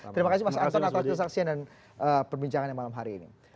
terima kasih mas anton atas kesaksian dan perbincangannya malam hari ini